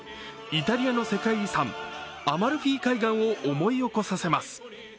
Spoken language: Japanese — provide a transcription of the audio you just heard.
イタリアの世界遺産、アマルフィ海岸を思い起こさせます。